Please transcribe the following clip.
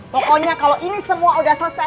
pokoknya kalo ini semua udah selesai